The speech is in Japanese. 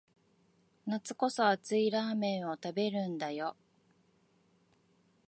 夏こそ熱いラーメンを食べるんだよ